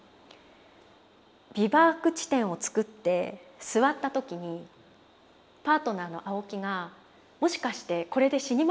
ビバーク地点を作って座った時にパートナーの青木が「もしかしてこれで死にませんよね」